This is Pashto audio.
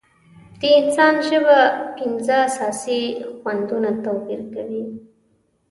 د انسان ژبه پنځه اساسي خوندونه توپیر کوي.